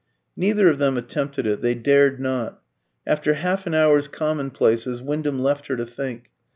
Neither of them attempted it, they dared not. After half an hour's commonplaces Wyndham left her to think.